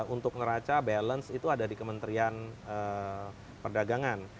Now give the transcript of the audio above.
untuk neraca balance itu ada di kementerian perdagangan